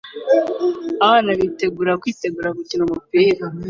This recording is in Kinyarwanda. Abana bitegura kwitegura gukina umupira